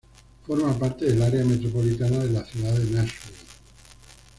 Forma parte del área metropolitana de la ciudad de Nashville.